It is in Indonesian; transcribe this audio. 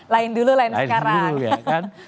lain dulu lain sekarang